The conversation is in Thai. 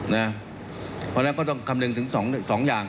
เพราะฉะนั้นก็ต้องคำนึงถึง๒อย่าง